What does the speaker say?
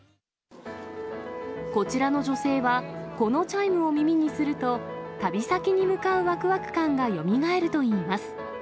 こちらの女性は、このチャイムを耳にすると、旅先に向かうわくわく感がよみがえるといいます。